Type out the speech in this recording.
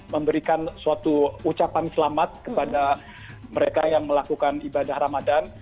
memberikan suatu ucapan selamat kepada mereka yang melakukan ibadah ramadan